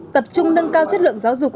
tập trung nâng cao chất lượng giáo dục